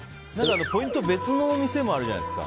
ポイントが別の店もあるじゃないですか。